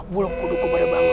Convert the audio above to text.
bulog kuduku pada bangun